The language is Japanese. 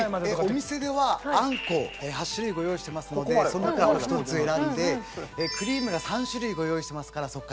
お店ではあんこ８種類ご用意してますのでその中からお一つ選んでクリームが３種類ご用意してますからそこから。